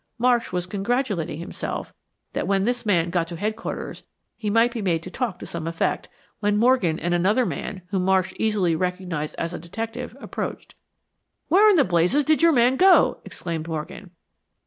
Marsh was congratulating himself that when this man got to Headquarters he might be made to talk to some effect, when Morgan and another man, whom Marsh easily recognized as a detective, approached. "Where in blazes did your man go?" exclaimed Morgan.